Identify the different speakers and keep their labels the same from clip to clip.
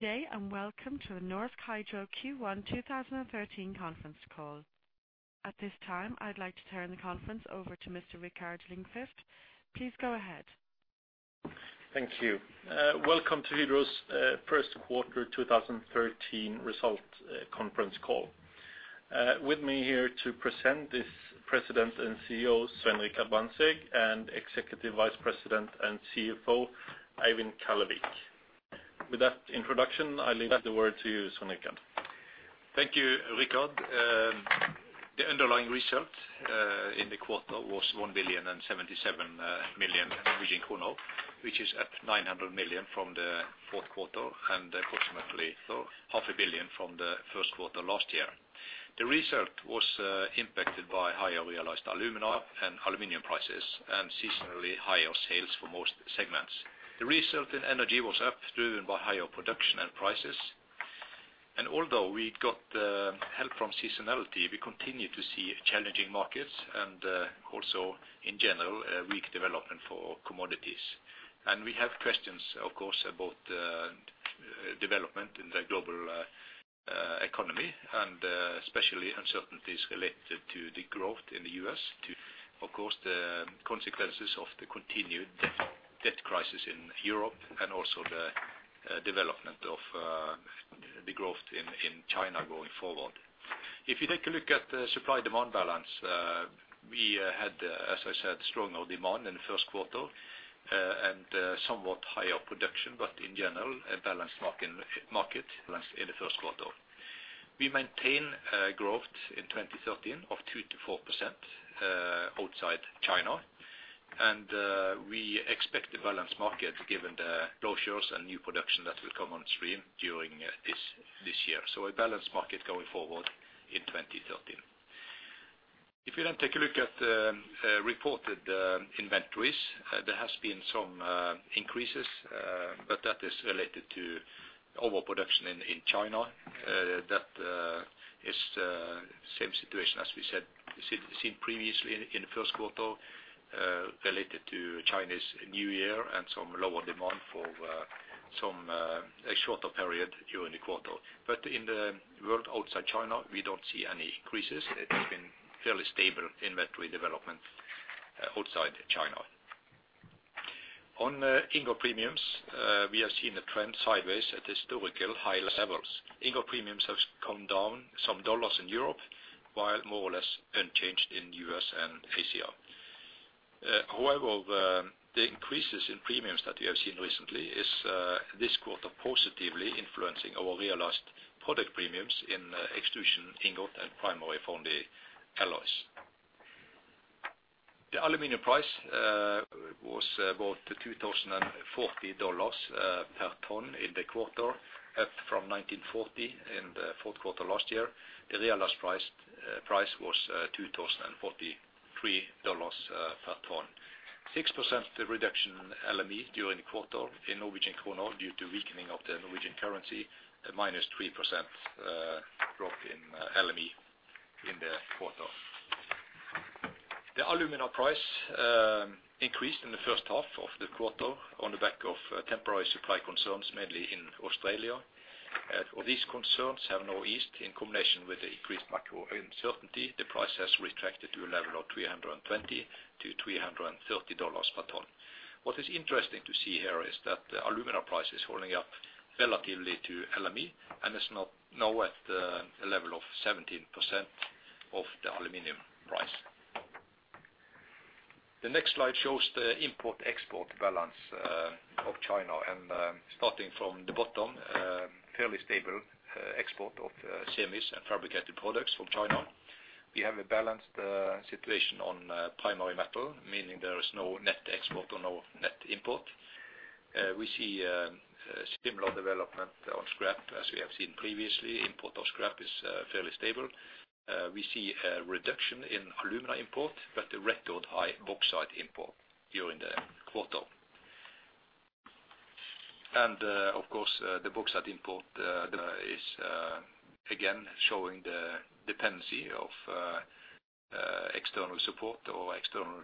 Speaker 1: Good day and welcome to the Norsk Hydro Q1 2013 conference call. At this time, I'd like to turn the conference over to Mr. Rikard Lindqvist. Please go ahead.
Speaker 2: Thank you. Welcome to Hydro's first quarter 2013 result conference call. With me here to present is President and CEO, Svein Richard Brandtzæg, and Executive Vice President and CFO, Eivind Kallevik. With that introduction, I leave the word to you, Svein Richard Brandtzæg.
Speaker 3: Thank you, Rikard. The underlying result in the quarter was 1,077 million Norwegian kroner, which is at 900 million from the fourth quarter, and approximately NOK half a billion from the first quarter last year. The result was impacted by higher realized alumina and aluminum prices, and seasonally higher sales for most segments. The result in energy was up, driven by higher production and prices. Although we got help from seasonality, we continue to see challenging markets and also in general, a weak development for commodities. We have questions, of course, about development in the global economy, and especially uncertainties related to the growth in the U.S. too, of course, the consequences of the continued debt crisis in Europe and also the development of the growth in China going forward. If you take a look at the supply and demand balance, we had, as I said, stronger demand in the first quarter, and somewhat higher production, but in general, a balanced market in the first quarter. We maintain growth in 2013 of 2%-4% outside China. We expect a balanced market given the closures and new production that will come on stream during this year. A balanced market going forward in 2013. If you then take a look at the reported inventories, there has been some increases, but that is related to overproduction in China. That is the same situation as we said seen previously in the first quarter, related to Chinese New Year and some lower demand for a shorter period during the quarter. In the world outside China, we don't see any increases. It has been fairly stable inventory development outside China. On ingot premiums, we have seen the trend sideways at historical high levels. Ingot premiums have come down some dollars in Europe, while more or less unchanged in U.S. and Asia. However, the increases in premiums that we have seen recently is this quarter positively influencing our realized product premiums in extrusion ingot and primary foundry alloys. The aluminum price was about $2,040 per ton in the quarter, up from $1,940 in the fourth quarter last year. The realized price was $2,043 per ton. 6% reduction LME during the quarter in Norwegian krone due to weakening of the Norwegian currency, a -3%, drop in LME in the quarter. The alumina price increased in the first half of the quarter on the back of temporary supply concerns, mainly in Australia. These concerns have now eased in combination with the increased macro uncertainty. The price has retracted to a level of $320-$330 per ton. What is interesting to see here is that the alumina price is holding up relatively to LME and is now at a level of 17% of the aluminum price. The next slide shows the import/export balance of China. Starting from the bottom, fairly stable export of semis and fabricated products from China. We have a balanced situation on primary metal, meaning there is no net export or no net import. We see similar development on scrap as we have seen previously. Import of scrap is fairly stable. We see a reduction in alumina import, but a record high bauxite import during the quarter. Of course, the bauxite import is again showing the dependency of external support or external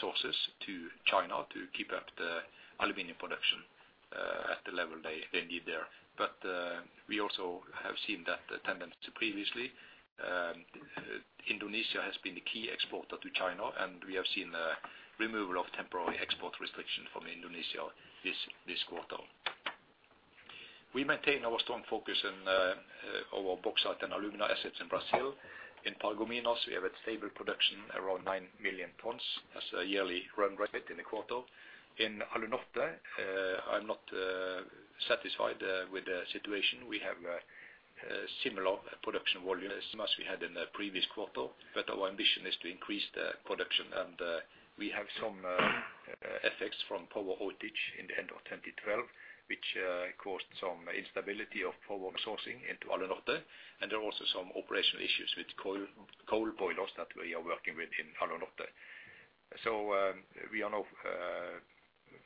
Speaker 3: sources to China to keep up the aluminum production at the level they need there. We also have seen that tendency previously. Indonesia has been the key exporter to China, and we have seen a removal of temporary export restriction from Indonesia this quarter. We maintain our strong focus in our bauxite and alumina assets in Brazil. In Paragominas, we have a stable production, around 9 million tons as a yearly run rate in the quarter. In Alunorte, I'm not satisfied with the situation. We have similar production volume as we had in the previous quarter, but our ambition is to increase the production. We have some effects from power outage in the end of 2012, which caused some instability of power sourcing into Alunorte. There are also some operational issues with coal boilers that we are working with in Alunorte. We are now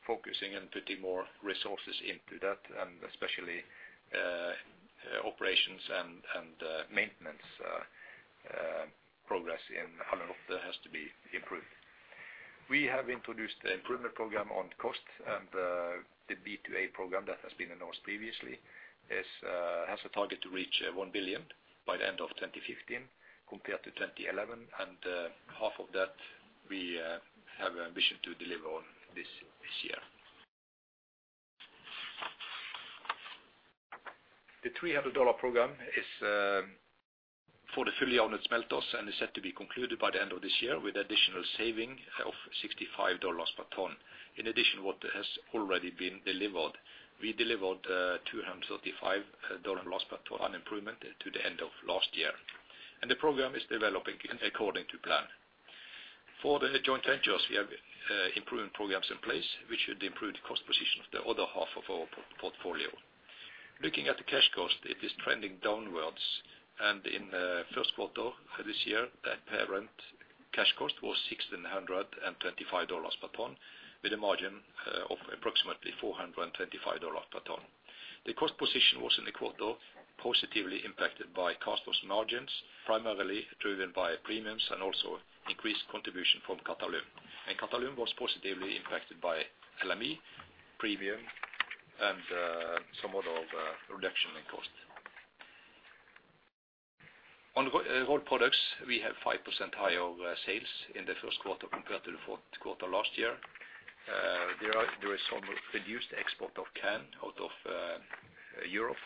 Speaker 3: focusing on putting more resources into that, and especially operations and maintenance progress in Alunorte has to be improved. We have introduced the improvement program on cost and the B&A program that has been announced previously has a target to reach 1 billion by the end of 2015 compared to 2011. Half of that we have ambition to deliver on this year. The $300 program is for the fully owned smelters and is set to be concluded by the end of this year, with additional saving of $65 per ton. In addition, what has already been delivered, we delivered $235 dollar loss per ton improvement to the end of last year. The program is developing according to plan. For the joint ventures, we have improvement programs in place, which should improve the cost position of the other half of our portfolio. Looking at the cash cost, it is trending downwards. In first quarter for this year, the plant cash cost was $1,625 per ton, with a margin of approximately $425 per ton. The cost position was in the quarter positively impacted by casthouse's margins, primarily driven by premiums and also increased contribution from Qatalum. Qatalum was positively impacted by LME premium and somewhat of a reduction in cost. On rolled products, we have 5% higher sales in the first quarter compared to the fourth quarter last year. There is some reduced export of can out of Europe.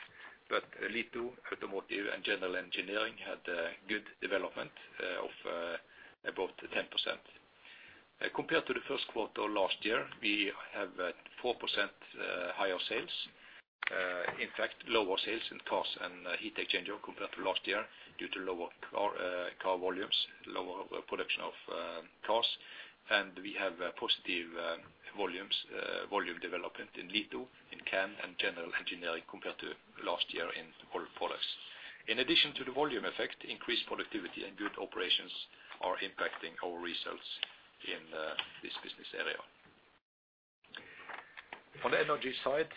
Speaker 3: Litho, automotive, and general engineering had good development of above 10%. Compared to the first quarter last year, we have 4% higher sales. In fact, lower sales in cars and heat exchanger compared to last year due to lower car volumes, lower production of cars. We have positive volume development in litho, in can, and general engineering compared to last year in rolled products. In addition to the volume effect, increased productivity and good operations are impacting our results in this business area. On the energy side,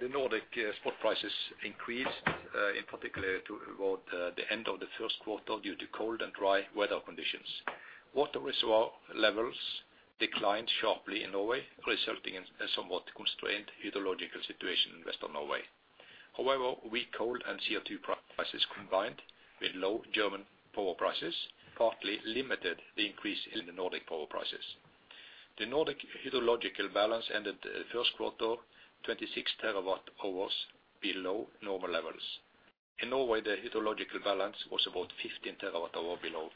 Speaker 3: the Nordic spot prices increased in particular toward the end of the first quarter due to cold and dry weather conditions. Water reservoir levels declined sharply in Norway, resulting in a somewhat constrained hydrological situation in Western Norway. However, weak coal and CO2 prices combined with low German power prices partly limited the increase in the Nordic power prices. The Nordic hydrological balance ended first quarter 26 terawatt hours below normal levels. In Norway, the hydrological balance was about 15 terawatt hours below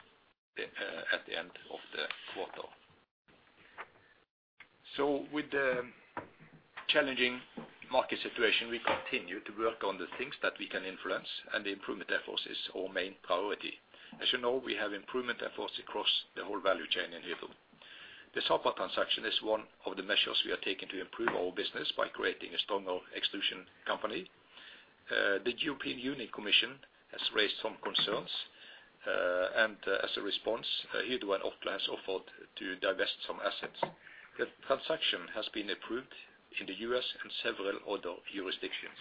Speaker 3: at the end of the quarter. With the challenging market situation, we continue to work on the things that we can influence, and the improvement efforts is our main priority. As you know, we have improvement efforts across the whole value chain in Hydro. The Sapa transaction is one of the measures we are taking to improve our business by creating a stronger extrusion company. The European Commission has raised some concerns, and as a response, Hydro and Orkla has offered to divest some assets. The transaction has been approved in the U.S. and several other jurisdictions.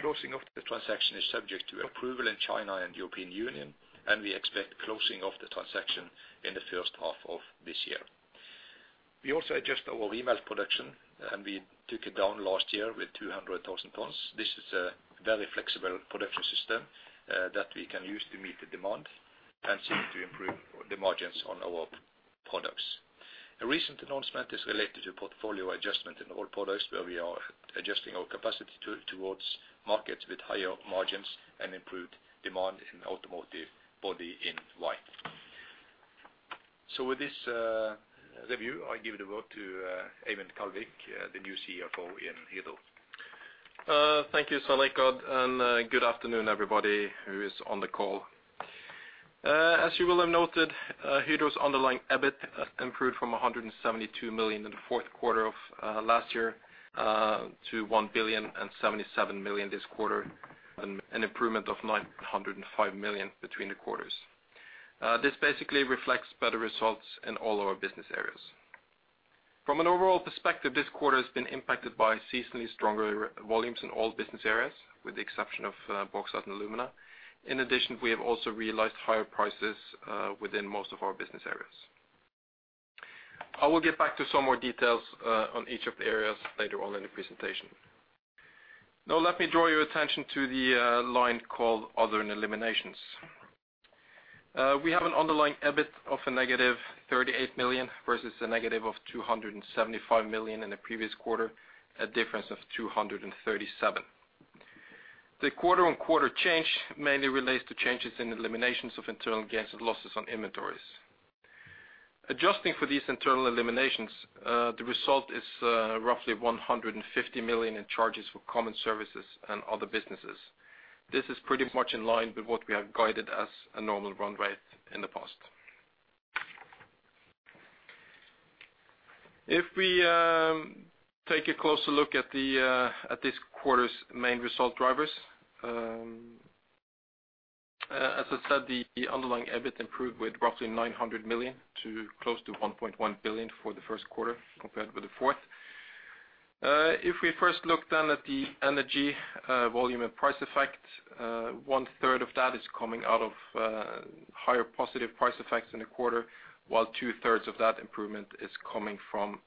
Speaker 3: Closing of the transaction is subject to approval in China and the European Union, and we expect closing of the transaction in the first half of this year. We also adjust our smelter production, and we took it down last year with 200,000 tons. This is a very flexible production system that we can use to meet the demand and seek to improve the margins on our products. A recent announcement is related to portfolio adjustment in our products, where we are adjusting our capacity towards markets with higher margins and improved demand in automotive body in white. With this review, I give the word to Eivind Kallevik, the new CFO in Hydro.
Speaker 4: Thank you, Svein Richard Brandtzæg, and good afternoon, everybody who is on the call. As you will have noted, Hydro's underlying EBIT improved from 172 million in the fourth quarter of last year to 1,077 million this quarter, an improvement of 905 million between the quarters. This basically reflects better results in all our business areas. From an overall perspective, this quarter has been impacted by seasonally stronger our volumes in all business areas, with the exception of Bauxite & Alumina. In addition, we have also realized higher prices within most of our business areas. I will get back to some more details on each of the areas later on in the presentation. Now let me draw your attention to the line called Other and Eliminations. We have an underlying EBIT of -38 million versus -275 million in the previous quarter, a difference of 237 million. The quarter-on-quarter change mainly relates to changes in eliminations of internal gains and losses on inventories. Adjusting for these internal eliminations, the result is roughly 150 million in charges for common services and other businesses. This is pretty much in line with what we have guided as a normal run rate in the past. If we take a closer look at this quarter's main result drivers, as I said, the underlying EBIT improved with roughly 900 million to close to 1.1 billion for the first quarter compared with the fourth. If we first look then at the energy, volume and price effect, 1/3 of that is coming out of higher positive price effects in the quarter, while 2/3 of that improvement is coming from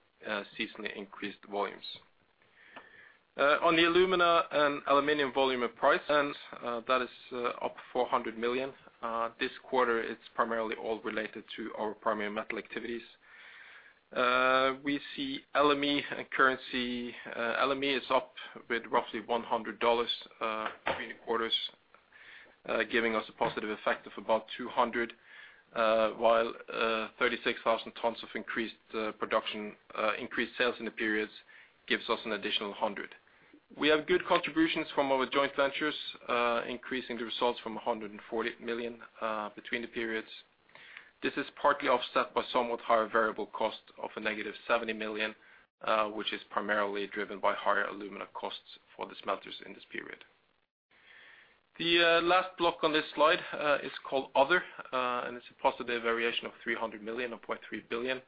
Speaker 4: seasonally increased volumes. On the alumina and aluminum volume and price, that is up 400 million. This quarter, it's primarily all related to our primary metal activities. We see LME and currency, LME is up with roughly $100 between the quarters, giving us a positive effect of about 200 million, while 36,000 tons of increased sales in the periods gives us an additional 100 million. We have good contributions from our joint ventures, increasing the results from 140 million between the periods. This is partly offset by somewhat higher variable cost of a negative 70 million, which is primarily driven by higher alumina costs for the smelters in this period. The last block on this slide is called other, and it's a positive variation of 300 million or 0.3 billion.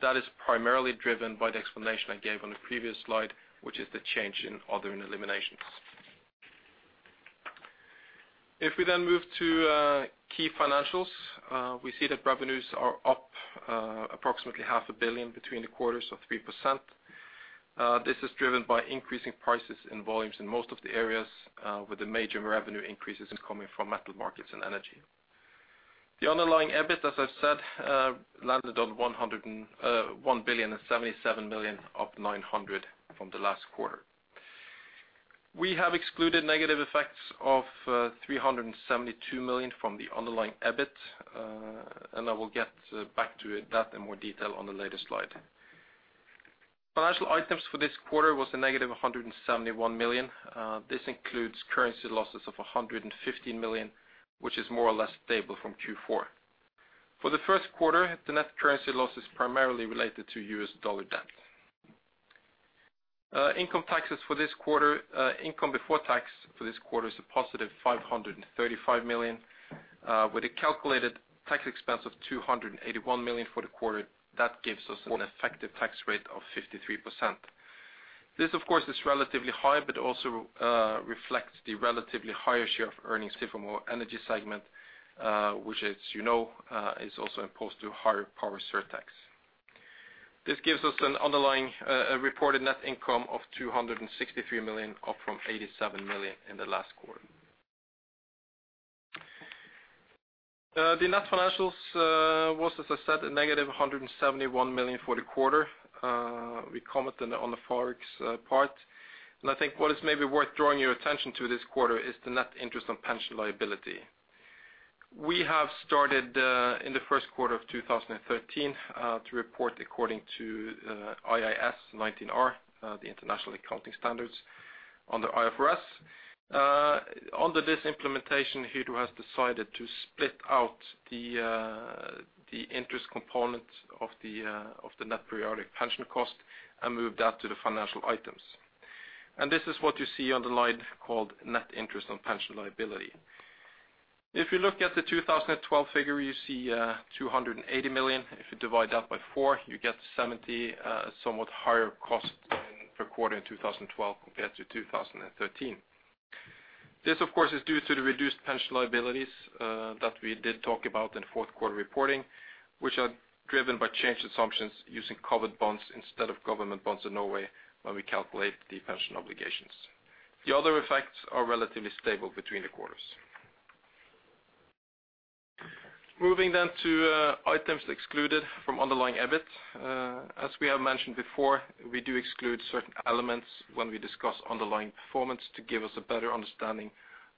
Speaker 4: That is primarily driven by the explanation I gave on the previous slide, which is the change in other and eliminations. If we then move to key financials, we see that revenues are up approximately NOK half a billion between the quarters of 3%. This is driven by increasing prices and volumes in most of the areas, with the major revenue increases coming from metal markets and energy. The underlying EBIT, as I've said, landed on 1,077 million, up 900 million from the last quarter. We have excluded negative effects of 372 million from the underlying EBIT, and I will get back to that in more detail on the later slide. Financial items for this quarter was a negative 171 million. This includes currency losses of 115 million, which is more or less stable from Q4. For the first quarter, the net currency loss is primarily related to US dollar debt. Income before tax for this quarter is a positive 535 million, with a calculated tax expense of 281 million for the quarter. That gives us an effective tax rate of 53%. This, of course, is relatively high, but also reflects the relatively higher share of earnings from our energy segment, which as you know, is also exposed to higher power surtax. This gives us an underlying reported net income of 263 million, up from 87 million in the last quarter. The net financials was, as I said, a negative 171 million for the quarter. We commented on the ForEx part. I think what is maybe worth drawing your attention to this quarter is the net interest on pension liability. We have started in the first quarter of 2013 to report according to IAS 19R, the International Accounting Standards under IFRS. Under this implementation, Hydro has decided to split out the interest component of the net periodic pension cost and moved that to the financial items. This is what you see on the line called net interest on pension liability. If you look at the 2012 figure, you see 280 million. If you divide that by 4, you get 70 million, somewhat higher cost per quarter in 2012 compared to 2013. This, of course, is due to the reduced pension liabilities that we did talk about in fourth quarter reporting, which are driven by changed assumptions using covered bonds instead of government bonds in Norway when we calculate the pension obligations. The other effects are relatively stable between the quarters. Moving to items excluded from underlying EBIT. As we have mentioned before, we do exclude certain elements when we discuss underlying performance to give us a better understanding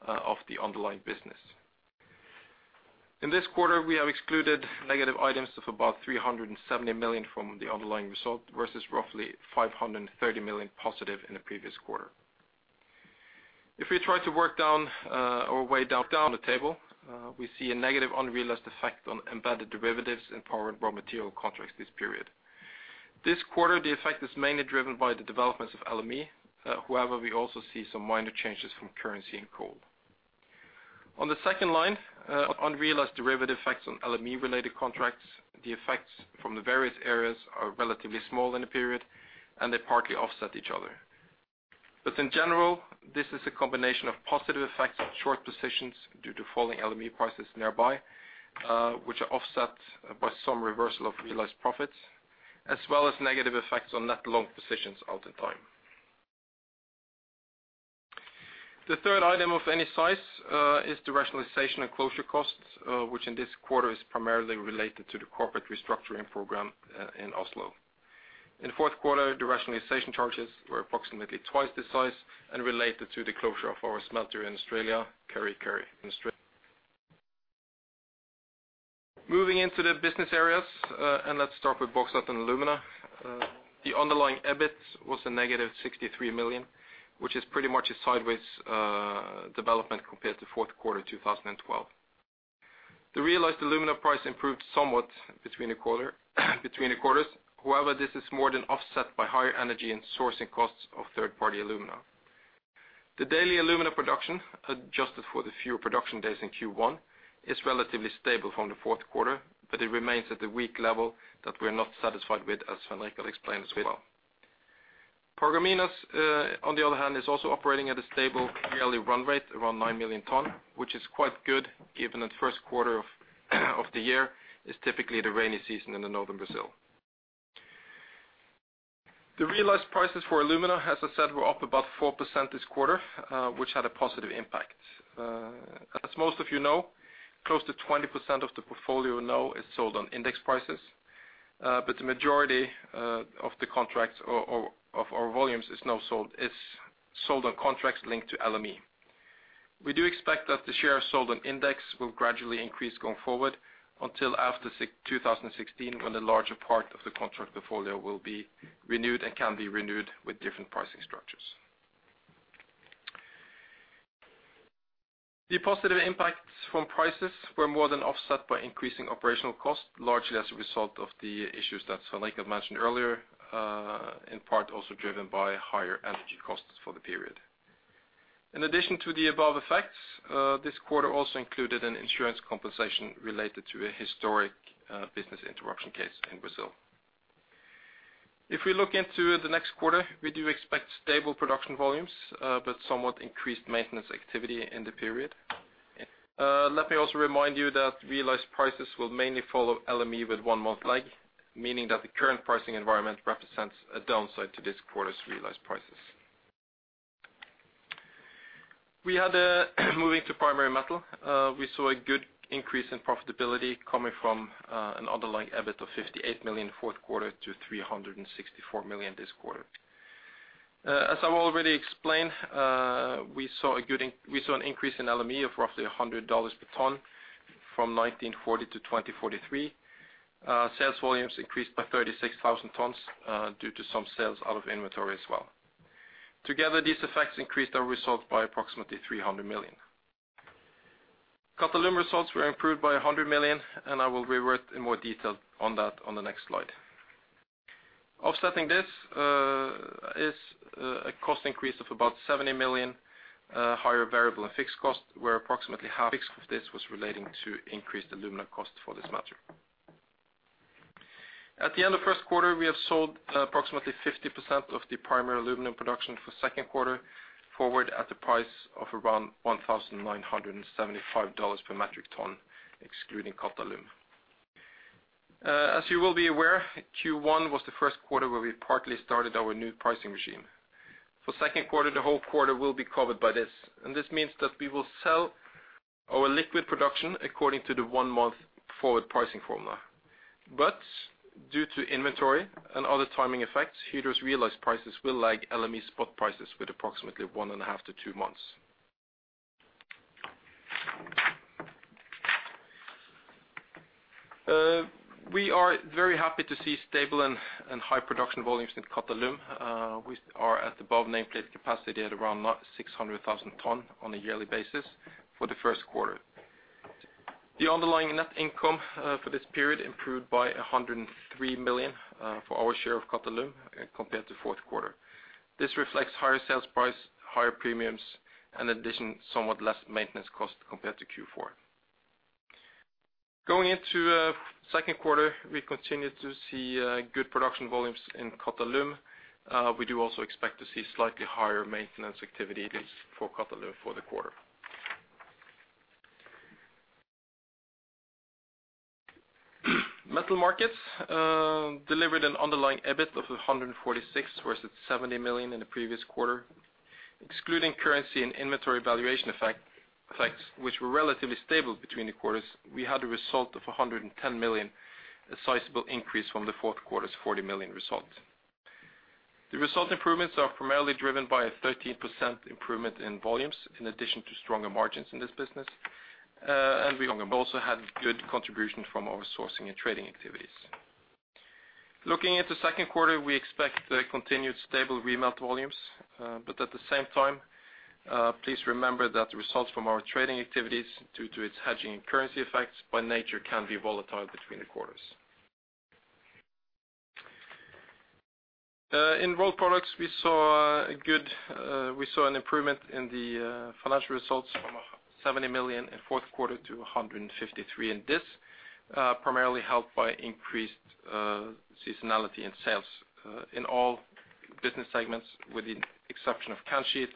Speaker 4: of the underlying business. In this quarter, we have excluded negative items of about 370 million from the underlying result versus roughly 530 million positive in the previous quarter. If we try to work our way down the table, we see a negative unrealized effect on embedded derivatives and power and raw material contracts this period. This quarter, the effect is mainly driven by the developments of LME. However, we also see some minor changes from currency and coal. On the second line, unrealized derivative effects on LME-related contracts. The effects from the various areas are relatively small in the period, and they partly offset each other. In general, this is a combination of positive effects of short positions due to falling LME prices nearby, which are offset by some reversal of realized profits, as well as negative effects on net long positions out in time. The third item of any size is the rationalization and closure costs, which in this quarter is primarily related to the corporate restructuring program in Oslo. In the fourth quarter, the rationalization charges were approximately twice this size and related to the closure of our smelter in Australia, Kurri Kurri in Australia. Moving into the business areas, let's start with Bauxite & Alumina. The underlying EBIT was negative 63 million, which is pretty much a sideways development compared to fourth quarter 2012. The realized alumina price improved somewhat between the quarters. However, this is more than offset by higher energy and sourcing costs of third-party alumina. The daily alumina production adjusted for the fewer production days in Q1 is relatively stable from the fourth quarter, but it remains at a weak level that we're not satisfied with, as Svein-Richard will explain as well. Paragominas, on the other hand, is also operating at a stable yearly run rate around 9 million tons, which is quite good given that first quarter of the year is typically the rainy season in northern Brazil. The realized prices for alumina, as I said, were up about 4% this quarter, which had a positive impact. As most of you know, close to 20% of the portfolio now is sold on index prices, but the majority of the contracts or of our volumes is now sold on contracts linked to LME. We do expect that the share sold on index will gradually increase going forward until after 2016, when the larger part of the contract portfolio will be renewed and can be renewed with different pricing structures. The positive impacts from prices were more than offset by increasing operational costs, largely as a result of the issues that Svein Richard Brandtzæg had mentioned earlier, in part also driven by higher energy costs for the period. In addition to the above effects, this quarter also included an insurance compensation related to a historic business interruption case in Brazil. If we look into the next quarter, we do expect stable production volumes, but somewhat increased maintenance activity in the period. Let me also remind you that realized prices will mainly follow LME with 1 month lag, meaning that the current pricing environment represents a downside to this quarter's realized prices. We saw a good increase in profitability coming from an underlying EBIT of 58 million fourth quarter to 364 million this quarter. As I've already explained, we saw an increase in LME of roughly $100 per ton from 1,940 to 2,043. Sales volumes increased by 36,000 tons due to some sales out of inventory as well. Together, these effects increased our results by approximately 300 million. Qatalum results were improved by 100 million, and I will revert in more detail on that on the next slide. Offsetting this, is a cost increase of about 70 million, higher variable and fixed costs, where approximately half of this was relating to increased alumina costs for this matter. At the end of first quarter, we have sold approximately 50% of the primary aluminum production for second quarter forward at the price of around $1,975 per metric ton, excluding Qatalum. As you will be aware, Q1 was the first quarter where we partly started our new pricing regime. For second quarter, the whole quarter will be covered by this, and this means that we will sell our liquid production according to the 1 month forward pricing formula. Due to inventory and other timing effects, Hydro's realized prices will lag LME spot prices with approximately 1.5-2 months. We are very happy to see stable and high production volumes in Qatalum. We are at above nameplate capacity at around 600,000 tons on a yearly basis for the first quarter. The underlying net income for this period improved by 103 million for our share of Qatalum compared to fourth quarter. This reflects higher sales price, higher premiums, and in addition, somewhat less maintenance cost compared to Q4. Going into second quarter, we continue to see good production volumes in Qatalum. We do also expect to see slightly higher maintenance activity for Qatalum for the quarter. Metal markets delivered an underlying EBIT of 146 million, whereas it's 70 million in the previous quarter. Excluding currency and inventory valuation effects, which were relatively stable between the quarters, we had a result of 110 million, a sizable increase from the fourth quarter's 40 million result. The result improvements are primarily driven by a 13% improvement in volumes in addition to stronger margins in this business. We also had good contribution from our sourcing and trading activities. Looking at the second quarter, we expect the continued stable remelt volumes, but at the same time, please remember that the results from our trading activities due to its hedging and currency effects by nature can be volatile between the quarters. In rolled products we saw an improvement in the financial results from 70 million in fourth quarter to 153, and this primarily helped by increased seasonality in sales in all business segments, with the exception of can sheet,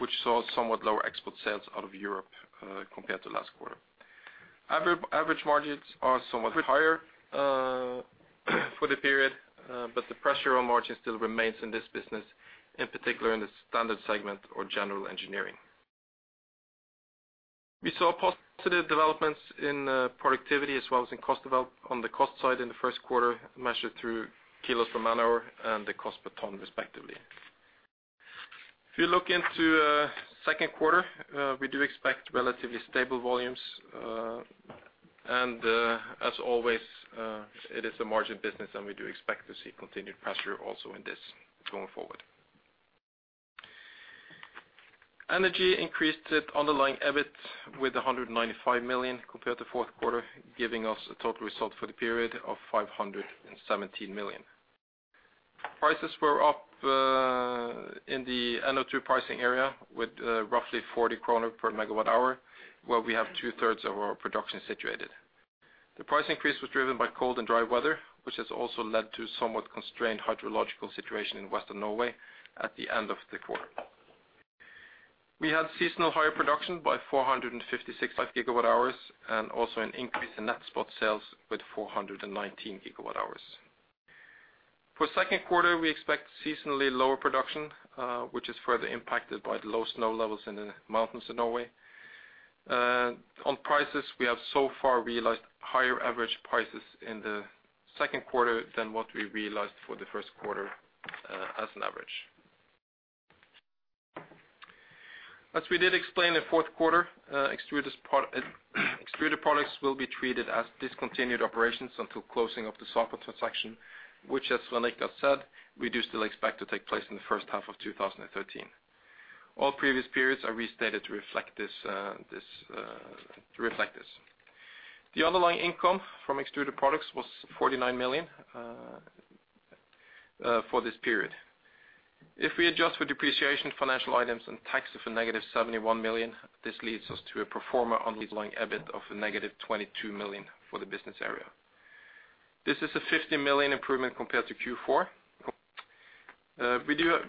Speaker 4: which saw somewhat lower export sales out of Europe compared to last quarter. Average margins are somewhat higher for the period, but the pressure on margin still remains in this business, in particular in the standard segment or general engineering. We saw positive developments in productivity as well as on the cost side in the first quarter, measured through kilos per man hour and the cost per ton respectively. If you look into second quarter, we do expect relatively stable volumes. As always, it is a margin business, and we do expect to see continued pressure also in this going forward. Energy increased its underlying EBIT with 195 million compared to fourth quarter, giving us a total result for the period of 517 million. Prices were up in the NO2 pricing area with roughly 40 kroner per megawatt hour, where we have 2/3 of our production situated. The price increase was driven by cold and dry weather, which has also led to somewhat constrained hydrological situation in western Norway at the end of the quarter. We had seasonal higher production by 456 gigawatt hours and also an increase in net spot sales with 419 gigawatt hours. For second quarter, we expect seasonally lower production, which is further impacted by the low snow levels in the mountains of Norway. On prices, we have so far realized higher average prices in the second quarter than what we realized for the first quarter, as an average. As we did explain in fourth quarter, extruded products will be treated as discontinued operations until closing of the Sapa transaction, which, as Svein Richard Brandtzæg said, we do still expect to take place in the first half of 2013. All previous periods are restated to reflect this. The underlying income from extruded products was 49 million for this period. If we adjust for depreciation, financial items, and taxes of -71 million, this leads us to a pro forma underlying EBIT of -22 million for the business area. This is a 50 million improvement compared to Q4.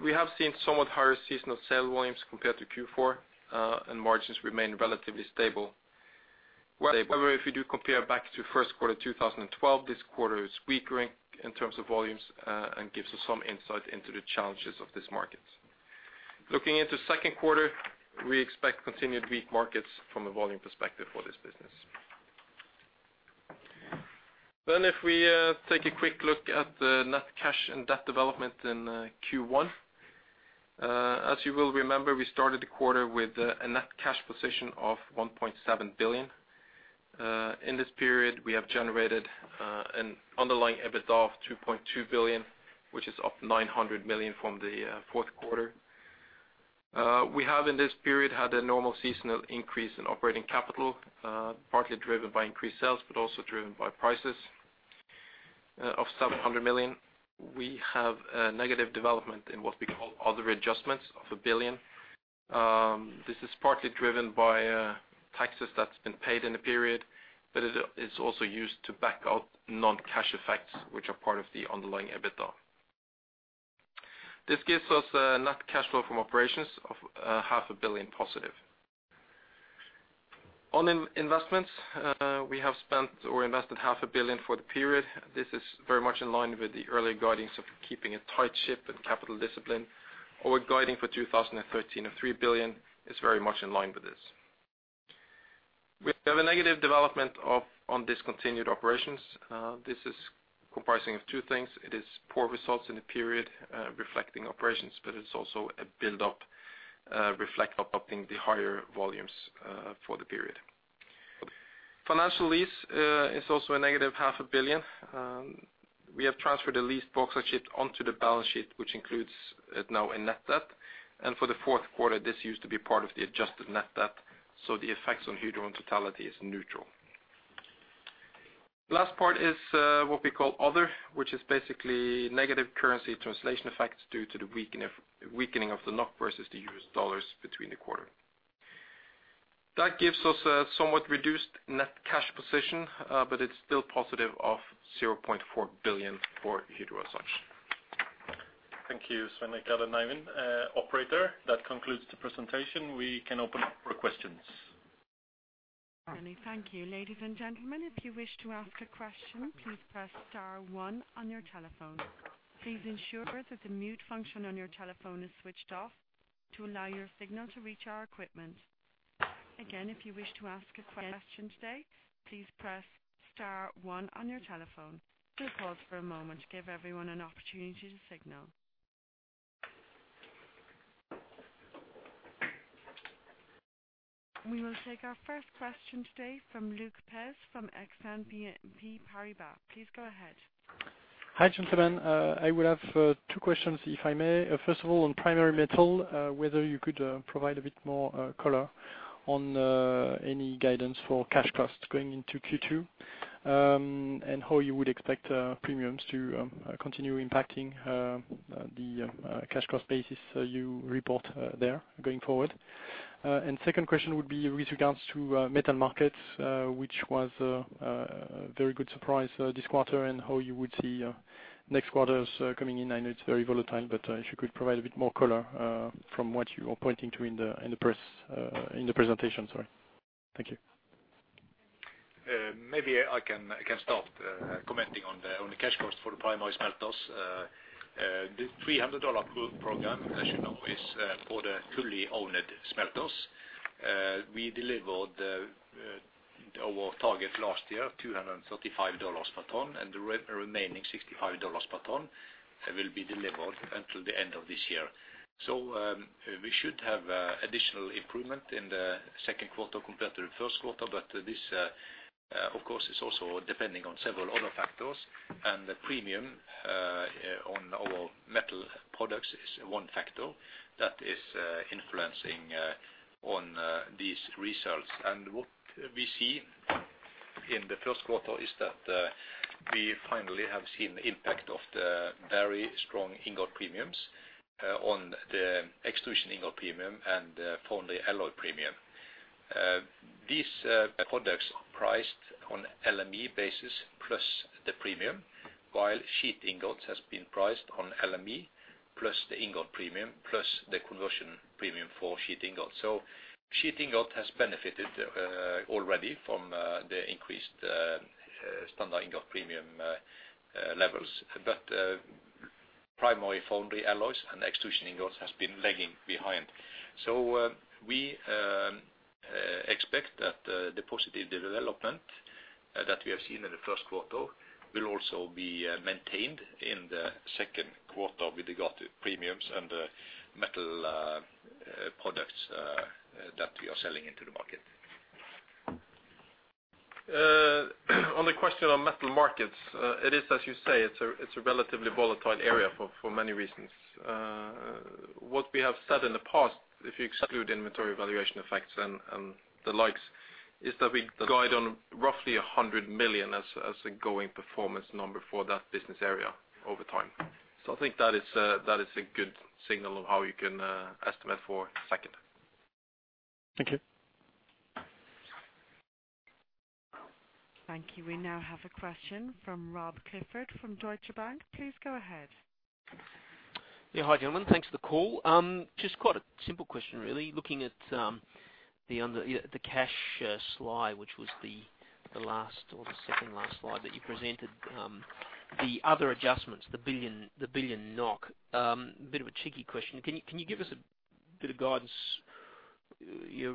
Speaker 4: We have seen somewhat higher seasonal sale volumes compared to Q4, and margins remain relatively stable. However, if you do compare back to first quarter 2012, this quarter is weaker in terms of volumes, and gives us some insight into the challenges of this market. Looking into second quarter, we expect continued weak markets from a volume perspective for this business. If we take a quick look at the net cash and debt development in Q1. As you will remember, we started the quarter with a net cash position of 1.7 billion. In this period, we have generated an underlying EBITDA of 2.2 billion, which is up 900 million from the fourth quarter. We have in this period had a normal seasonal increase in operating capital, partly driven by increased sales, but also driven by prices of 700 million. We have a negative development in what we call other adjustments of 1 billion. This is partly driven by taxes that's been paid in the period, but it's also used to back out non-cash effects which are part of the underlying EBITDA. This gives us a net cash flow from operations of half a billion positive. On investments, we have spent or invested half a billion for the period. This is very much in line with the early guidances of keeping a tight ship and capital discipline. Our guidance for 2013 of 3 billion is very much in line with this. We have a negative development on discontinued operations. This is comprising of 2 things. It is poor results in the period reflecting operations, but it's also a build-up reflection of higher volumes for the period. Finance lease is also a negative half a billion NOK. We have transferred a lease bauxite ship onto the balance sheet, which includes it now in net debt. For the fourth quarter, this used to be part of the adjusted net debt, so the effects on Hydro in totality is neutral. Last part is what we call other, which is basically negative currency translation effects due to the weakening of the NOK versus the U.S. dollars between the quarter. That gives us a somewhat reduced net cash position, but it's still positive of 0.4 billion for Hydro as such.
Speaker 2: Thank you, Svein Richard Brandtzæg and Eivind Kallevik. Operator, that concludes the presentation. We can open up for questions.
Speaker 1: Thank you. Ladies and gentlemen, if you wish to ask a question, please press star one on your telephone. Please ensure that the mute function on your telephone is switched off to allow your signal to reach our equipment. Again, if you wish to ask a question today, please press star one on your telephone. We'll pause for a moment to give everyone an opportunity to signal. We will take our first question today from Luc Pez from Exane BNP Paribas. Please go ahead.
Speaker 5: Hi, gentlemen. I will have 2 questions, if I may. First of all, on Primary Metal, whether you could provide a bit more color on any guidance for cash costs going into Q2, and how you would expect premiums to the cash cost basis you report there going forward. Second question would be with regards to metal markets, which was a very good surprise this quarter, and how you would see next quarters coming in. I know it's very volatile, but if you could provide a bit more color from what you are pointing to in the presentation, sorry. Thank you.
Speaker 4: Maybe I can start commenting on the cash cost for the primary smelters. The $300 approved program, as you know, is for the fully owned smelters. We delivered our target last year, $235 per ton, and the remaining $65 per ton will be delivered until the end of this year. We should have additional
Speaker 3: Improvement in the second quarter compared to the first quarter. This, of course, is also depending on several other factors, and the premium on our metal products is one factor that is influencing on these results. What we see in the first quarter is that we finally have seen the impact of the very strong ingot premiums on the extrusion ingot premium and foundry alloy premium. These products are priced on LME basis plus the premium, while sheet ingots has been priced on LME plus the ingot premium, plus the conversion premium for sheet ingot. Sheet ingot has benefited already from the increased standard ingot premium levels. Primary foundry alloys and extrusion ingots has been lagging behind. We expect that the positive development that we have seen in the first quarter will also be maintained in the second quarter with regard to premiums and metal products that we are selling into the market.
Speaker 4: On the question on metal markets, it is, as you say, it's a relatively volatile area for many reasons. What we have said in the past, if you exclude inventory valuation effects and the likes, is that we guide on roughly 100 million as a going performance number for that business area over time. I think that is a good signal of how you can estimate for second.
Speaker 3: Thank you.
Speaker 1: Thank you. We now have a question from Rob Clifford from Deutsche Bank. Please go ahead.
Speaker 6: Yeah. Hi, gentlemen. Thanks for the call. Just quite a simple question, really. Looking at the cash slide, which was the last or the second last slide that you presented, the other adjustments, 1 billion. A bit of a cheeky question. Can you give us a bit of guidance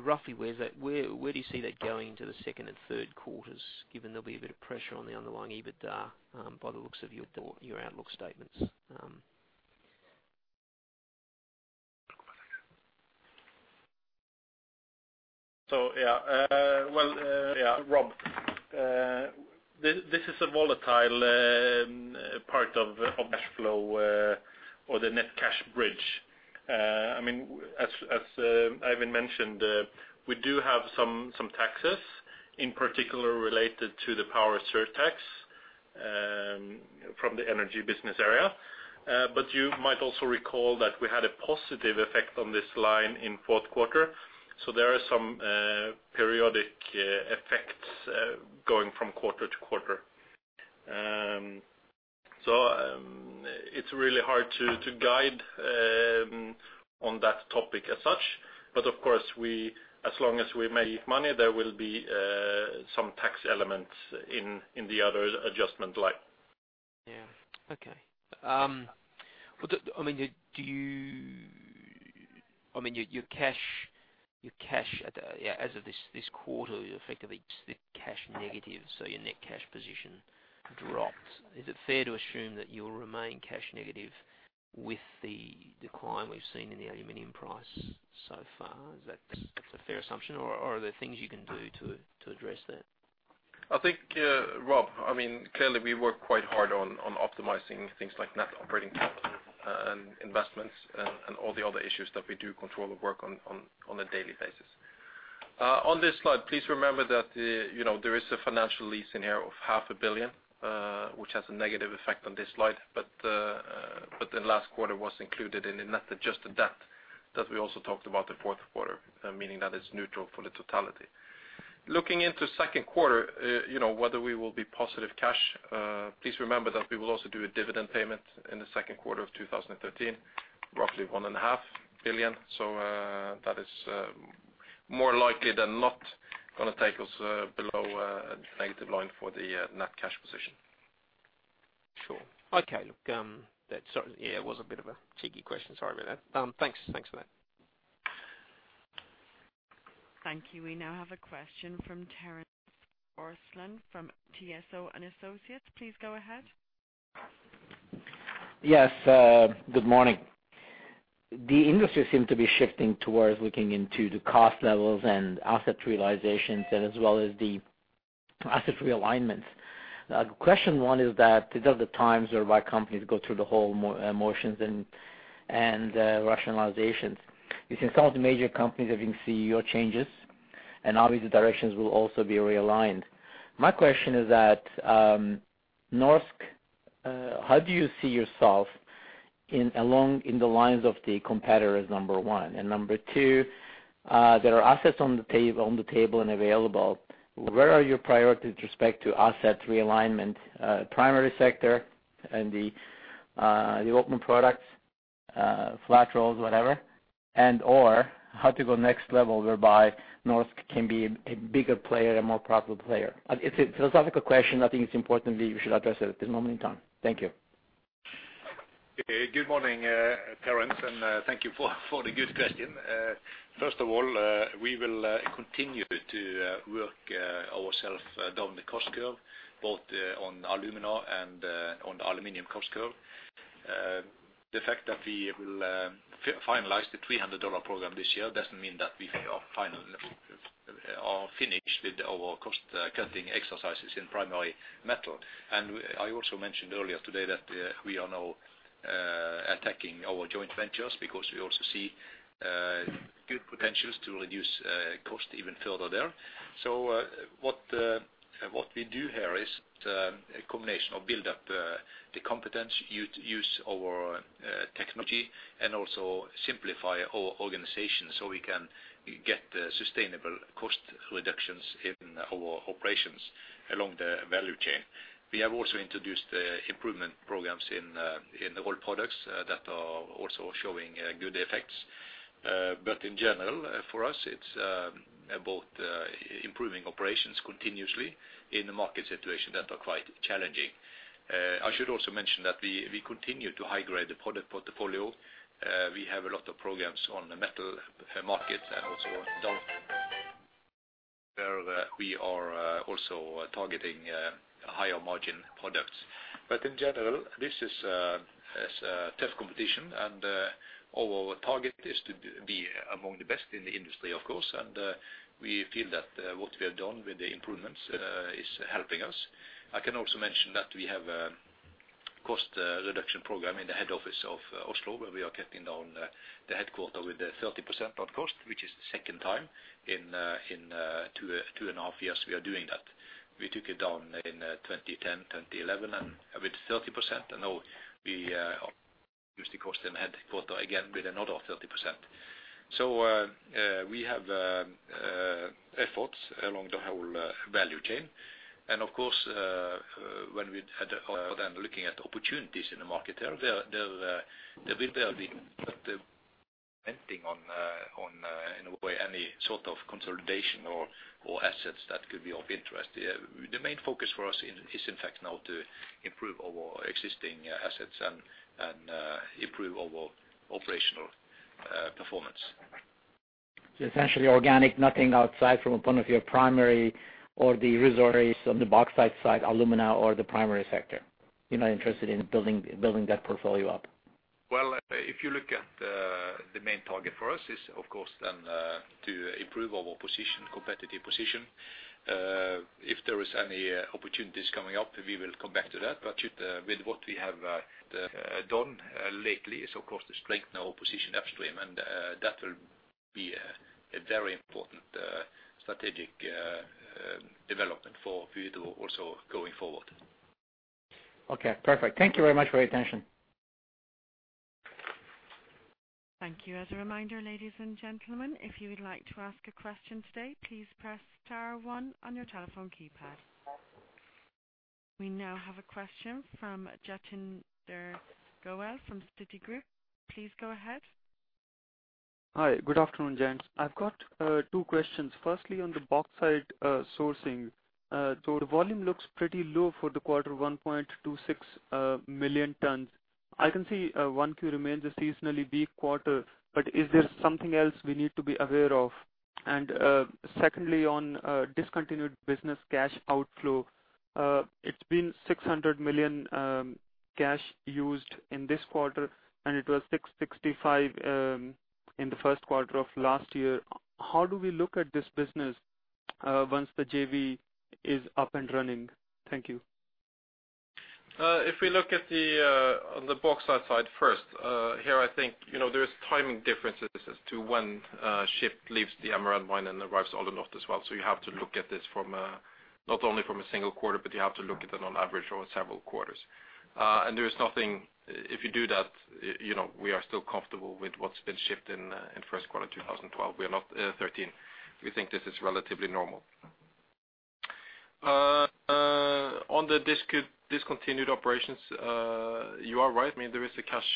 Speaker 6: roughly where you see that going into the second and third quarters, given there'll be a bit of pressure on the underlying EBITDA, by the looks of your outlook statements.
Speaker 4: Yeah. Well, yeah, Rob, this is a volatile part of cash flow or the net cash bridge. I mean, as Ivan mentioned, we do have some taxes, in particular related to the power surtax, from the energy business area. You might also recall that we had a positive effect on this line in fourth quarter. There are some periodic effects going from quarter to quarter. It's really hard to guide on that topic as such. Of course, we, as long as we make money, there will be some tax elements in the other adjustment line.
Speaker 6: I mean, your cash as of this quarter, you're effectively cash negative, so your net cash position dropped. Is it fair to assume that you'll remain cash negative with the decline we've seen in the aluminum price so far? Is that a fair assumption, or are there things you can do to address that?
Speaker 4: I think, Rob, I mean, clearly we work quite hard on optimizing things like net operating capital, and investments and all the other issues that we do control and work on a daily basis. On this slide, please remember that, you know, there is a financial lease in here of half a billion NOK, which has a negative effect on this slide. But the last quarter was included in the net debt that we also talked about the fourth quarter, meaning that it's neutral for the totality. Looking into second quarter, you know, whether we will be positive cash, please remember that we will also do a dividend payment in the second quarter of 2013, roughly one and a half billion NOK. That is more likely than not gonna take us below negative line for the net cash position.
Speaker 6: Sure. Okay. Look, that's. Yeah, it was a bit of a cheeky question. Sorry about that. Thanks for that.
Speaker 1: Thank you. We now have a question from Terence Ortslan from TSO & Associates. Please go ahead.
Speaker 7: Yes, good morning. The industry seems to be shifting towards looking into the cost levels and asset realizations as well as the asset realignments. Question 1 is that these are the times whereby companies go through the whole motions and rationalizations. You can tell the major companies are seeing CEO changes, and obviously directions will also be realigned. My question is that, Norsk, how do you see yourself along the lines of the competitors, number 1? And number 2, there are assets on the table and available. Where are your priorities with respect to asset realignment, primary sector and the open products, flat rolls, whatever, and/or how to go next level whereby Norsk can be a bigger player, a more profitable player? It's a philosophical question. I think it's important we should address it at this moment in time. Thank you.
Speaker 3: Good morning, Terence, and thank you for the good question. First of all, we will continue to work ourselves down the cost curve, both on alumina and on the aluminum cost curve. The fact that we will finalize the $300 program this year doesn't mean that we are finished with our cost cutting exercises in primary metal. I also mentioned earlier today that we are now attacking our joint ventures because we also see good potentials to reduce cost even further there. What we do here is a combination of build up the competence, use our technology, and also simplify our organization so we can get the sustainable cost reductions in our operations along the value chain. We have also introduced the improvement programs in the extruded products that are also showing good effects. In general, for us, it's about improving operations continuously in the market situation that are quite challenging. I should also mention that we continue to high-grade the product portfolio. We have a lot of programs on the metal markets and also on downstream where we are also targeting higher margin products. In general, this is a tough competition and our target is to be among the best in the industry, of course. We feel that what we have done with the improvements is helping us. I can also mention that we have a cost reduction program in the head office of Oslo, where we are cutting down the headquarters with a 30% of cost, which is the second time in two and a half years we are doing that. We took it down in 2010, 2011, and with 30%. Now we reduce the cost in headquarters again with another 30%. We have efforts along the whole value chain. Of course, when we are then looking at opportunities in the market there will be, in a way, any sort of consolidation or assets that could be of interest. The main focus for us is in fact now to improve our existing assets and improve our operational performance.
Speaker 7: Essentially organic, nothing outside from one of your primary or the reserves on the bauxite side, alumina or the primary sector. You're not interested in building that portfolio up?
Speaker 3: Well, if you look at the main target for us is of course then to improve our position, competitive position. If there is any opportunities coming up, we will come back to that. With what we have done lately is of course to strengthen our position upstream, and that will be a very important strategic development for Hydro also going forward.
Speaker 7: Okay, perfect. Thank you very much for your attention.
Speaker 1: Thank you. As a reminder, ladies and gentlemen, if you would like to ask a question today, please press star one on your telephone keypad. We now have a question from Jatinder Goel from Citigroup. Please go ahead.
Speaker 8: Hi. Good afternoon, gents. I've got 2 questions. Firstly, on the bauxite sourcing. So the volume looks pretty low for the quarter: 1.26 million tons. I can see Q1 remains a seasonally big quarter, but is there something else we need to be aware of? Secondly, on discontinued business cash outflow, it's been 600 million cash used in this quarter, and it was 665 million in the first quarter of last year. How do we look at this business once the JV is up and running? Thank you.
Speaker 4: If we look at the bauxite side first, here, I think, you know, there's timing differences as to when ship leaves the Paragominas mine and arrives Alunorte as well. You have to look at this from not only from a single quarter, but you have to look at it on average over several quarters. There is nothing. If you do that, you know, we are still comfortable with what's been shipped in first quarter 2013. We think this is relatively normal. On the discontinued operations, you are right. I mean, there is a cash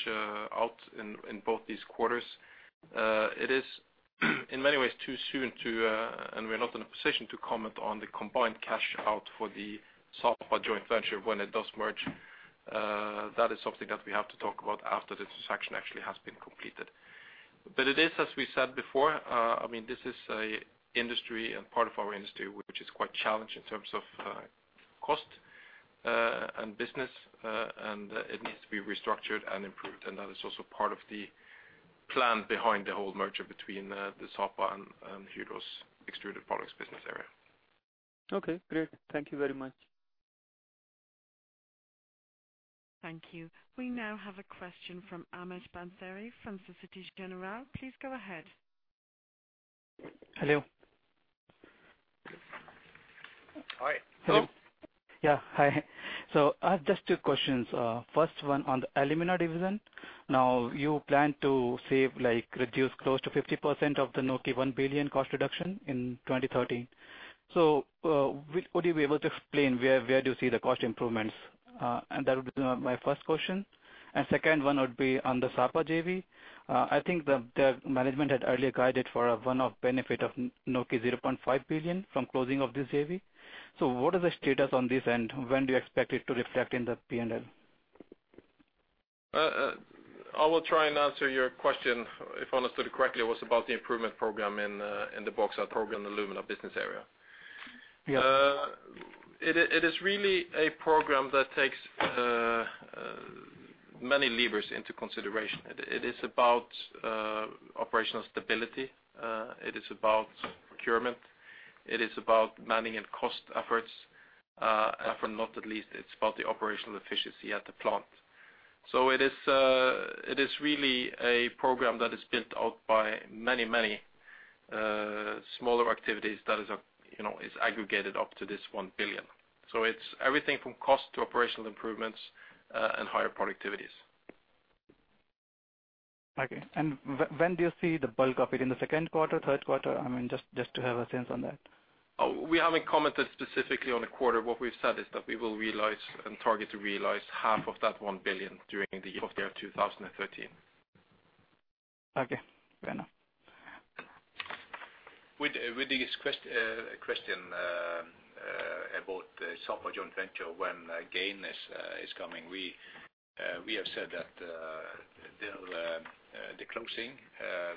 Speaker 4: out in both these quarters. It is in many ways too soon, and we're not in a position to comment on the combined cash out for the Sapa joint venture when it does merge. That is something that we have to talk about after the transaction actually has been completed. It is, as we said before, I mean, this is an industry and part of our industry which is quite challenged in terms of, cost, and business, and it needs to be restructured and improved. That is also part of the plan behind the whole merger between the Sapa and Hydro's extruded products business area.
Speaker 8: Okay, great. Thank you very much.
Speaker 1: Thank you. We now have a question from Ahmed Bensari from Société Générale. Please go ahead.
Speaker 9: Hello?
Speaker 4: Hi. Hello.
Speaker 9: Yeah. Hi. I have just 2 questions. First one on the alumina division. Now you plan to save, like reduce close to 50% of the 1 billion cost reduction in 2030. Would you be able to explain where do you see the cost improvements? That would be my first question. Second one would be on the Sapa JV. I think the management had earlier guided for a one-off benefit of 0.5 billion from closing of this JV. What is the status on this, and when do you expect it to reflect in the P&L?
Speaker 4: I will try and answer your question. If I understood correctly, it was about the improvement program in the Bauxite & Alumina business area. It is really a program that takes many levers into consideration. It is about operational stability. It is about procurement, it is about manning and cost efforts. It is about the operational efficiency at the plant. It is really a program that is built out by many smaller activities that, you know, is aggregated up to this 1 billion. It's everything from cost to operational improvements and higher productivities.
Speaker 9: Okay. When do you see the bulk of it? In the second quarter, third quarter? I mean, just to have a sense on that.
Speaker 4: Oh, we haven't commented specifically on the quarter. What we've said is that we will realize and target to realize half of that 1 billion during the year 2013.
Speaker 9: Okay, fair enough.
Speaker 3: With this question about the Sapa joint venture, when gain is coming, we have said that the closing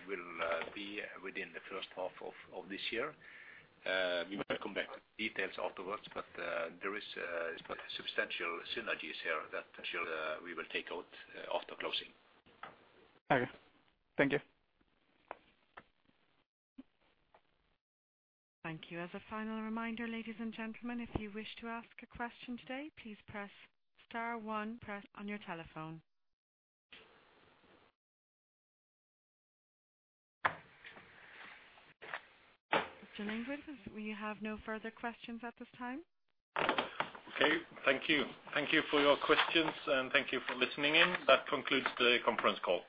Speaker 3: will be within the first half of this year. We will come back with details afterwards, but there is quite substantial synergies here that we will take out after closing.
Speaker 9: Okay. Thank you.
Speaker 1: Thank you. As a final reminder, ladies and gentlemen, if you wish to ask a question today, please press star one on your telephone. Mr. Lindgren, we have no further questions at this time.
Speaker 3: Okay, thank you. Thank you for your questions, and thank you for listening in. That concludes the conference call.